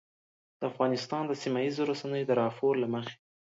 د افغانستان د سیمهییزو رسنیو د راپور له مخې